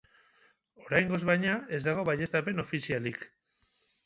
Oraingoz, baina, ez dago baieztapen ofizialik.